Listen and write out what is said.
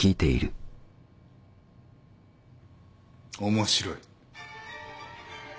面白い。